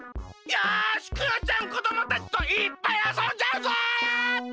よしクヨちゃんこどもたちといっぱいあそんじゃうぞ！